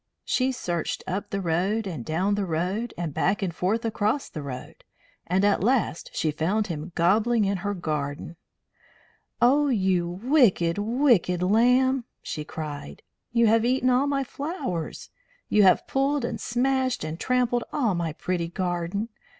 She searched up the road and down the road and back and forth across the road, and at last she found him gobbling in her garden. "Oh, you wicked, wicked lamb!" she cried. "You have eaten all my flowers. You have pulled and smashed and trampled all my pretty garden.